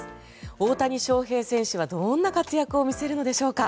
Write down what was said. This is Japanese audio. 大谷翔平選手は、どんな活躍を見せるんでしょうか。